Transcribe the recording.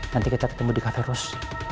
nanti kita ketemu di cafe rus